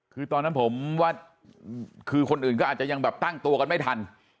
คือตอนนั้นผมว่าคือคนอื่นก็อาจจะยังแบบตั้งตัวกันไม่ทัน